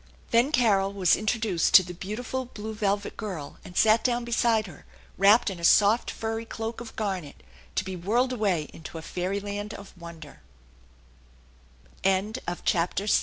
Then Carol was introduced to the beautiful blue velvet girl and sat down beside her, wiapped in a soft furry cloak of garnet, to be whirled away into a fairy land of wond